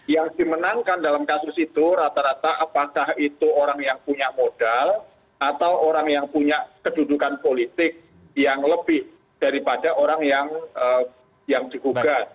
yang dimenangkan dalam kasus itu rata rata apakah itu orang yang punya modal atau orang yang punya kedudukan politik yang lebih daripada orang yang digugat